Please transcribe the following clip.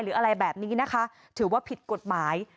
หรืออะไรแบบนี้นะคะถือว่าผิดกฎหมาย